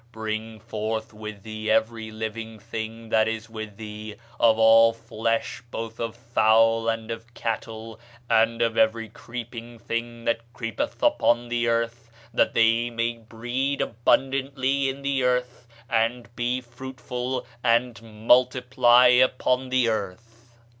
Bring forth with thee every living thing that is with thee, of all flesh, both of fowl and of cattle, and of every creeping thing that creepeth upon the earth; that they may breed abundantly in the earth, and be fruitful, and multiply upon the earth.